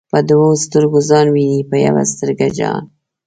په دوو ستر گو ځان ويني په يوه سترگه جهان